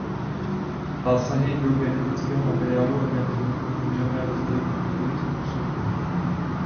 Zásahy do genetického materiálu organismů můžeme rozdělit na několik způsobů.